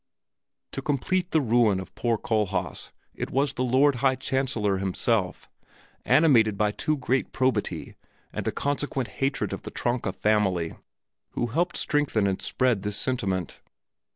To complete the ruin of poor Kohlhaas, it was the Lord High Chancellor himself, animated by too great probity, and a consequent hatred of the Tronka family, who helped strengthen and spread this sentiment.